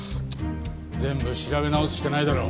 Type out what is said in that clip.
全部調べ直すしかないだろ。